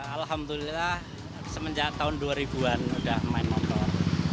alhamdulillah semenjak tahun dua ribu an udah main motor